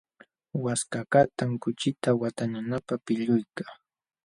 Waskakaqtam kuchita watananapaq pilluyka.